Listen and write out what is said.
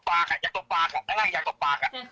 แม่ยังคงมั่นใจและก็มีความหวังในการทำงานของเจ้าหน้าที่ตำรวจค่ะ